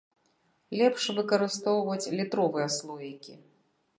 Лепш выкарыстоўваць літровыя слоікі.